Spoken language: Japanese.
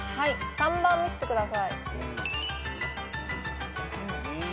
３番見せてください。